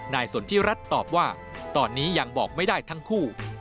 สนทิรัฐตอบว่าตอนนี้ยังบอกไม่ได้ทั้งคู่